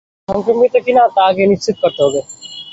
তারা সংক্রমিত কি-না তা আগে নিশ্চিত করতে হবে।